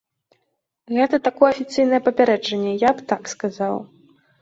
Гэта такое афіцыйнае папярэджанне, я б так сказаў.